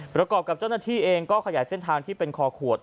ประกอบกับเจ้าหน้าที่เองก็ขยายเส้นทางที่เป็นคอขวด